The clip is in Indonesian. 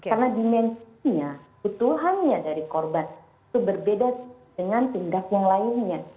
karena dimensinya kebutuhannya dari korban itu berbeda dengan tindak yang lainnya